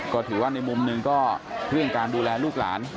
ก็ถือว่าในมุมหนึ่งก็เรื่องการดูแลลูกหลาน